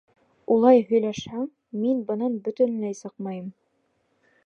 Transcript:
Улай һөйләшһәң, мин бынан бөтөнләй сыҡмайым!